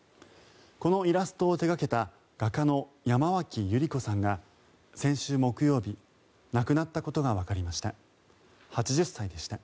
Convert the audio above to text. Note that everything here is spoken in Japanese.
このイラストを手掛けた画家の山脇百合子さんが先週木曜日亡くなったことがわかりました。